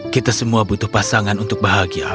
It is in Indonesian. kita semua butuh pasangan untuk bahagia